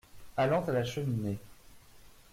Allant à la cheminée.